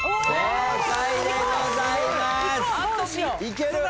いける。